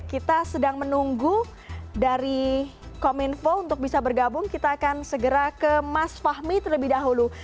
kita sedang menunggu dari kominfo untuk bisa bergabung kita akan segera ke mas fahmi terlebih dahulu